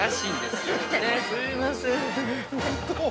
◆すいませーん。